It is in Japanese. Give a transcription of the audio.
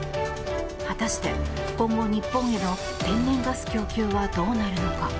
果たして、今後日本への天然ガス供給はどうなるのか。